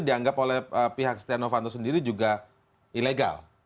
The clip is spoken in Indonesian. dianggap oleh pihak stiano fantoni sendiri juga ilegal